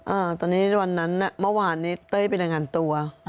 อ่าตอนนี้วันนั้นน่ะเมื่อวานนี้เต้ยไปรายงานตัว